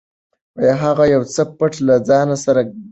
هغه یو څه پټ له ځانه سره ګړېده.